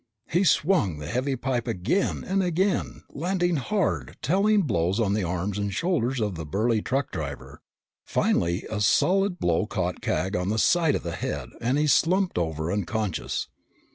He swung the heavy pipe again and again, landing hard, telling blows on the arms and shoulders of the burly truck driver. Finally a solid blow caught Cag on the side of the head and he slumped over unconscious.